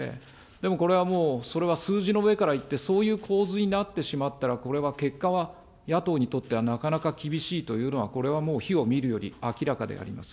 でもこれはもう、それは数字の上からいって、そういう構図になってしまったら、これは結果は、野党にとってはなかなか厳しいというのは、これはもう火を見るより明らかであります。